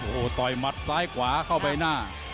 โอ้โหต่อยมัดซ้ายขวาเข้าไปหน้า